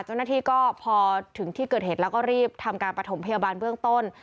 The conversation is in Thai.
เจ้าหน้าที่ก็พอถึงที่เกิดเหตุแล้วก็รีบทำการประถมพยาบาลเบื้องต้น